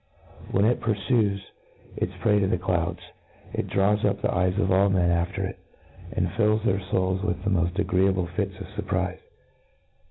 When it ' purfues INTRODUCTION. gy purfues its prey to the clouds^t draws up, the eyes of all men after it, and fills their fouls with the moft agreeable fits of furprife.